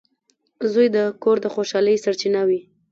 • زوی د کور د خوشحالۍ سرچینه وي.